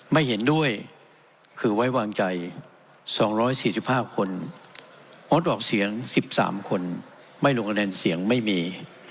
ไม่เห็นด้วยคือไว้วางใจ๒๔๕คนงดออกเสียง๑๓คนไม่ลงคะแนนเสียงไม่มี